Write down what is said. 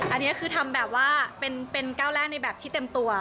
อันนี้คือทำแบบว่าเป็นก้าวแรกในแบบที่เต็มตัว